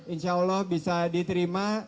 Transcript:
insya allah bisa diterima